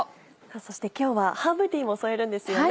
そして今日はハーブティーも添えるんですよね。